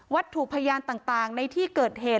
ถูกพยานต่างในที่เกิดเหตุ